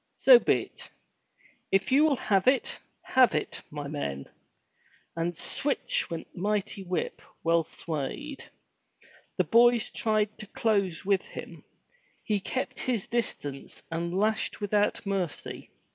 so be*t! If you will have it, have it, my men!*' And sweetch went the mighty whip, well swayed. The boys tried to close with him. He kept his distance and lashed without mercy.